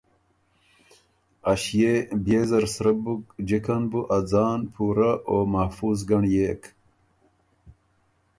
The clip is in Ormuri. ا ݭيې بيې زر سرۀ بُک جِکه ن بُو ا ځان پُورۀ او محفوظ ګںړيېک۔